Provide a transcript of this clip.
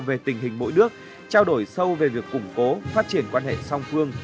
về tình hình mỗi nước trao đổi sâu về việc củng cố phát triển quan hệ song phương